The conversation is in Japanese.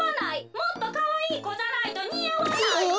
もっとかわいいこじゃないとにあわない！」。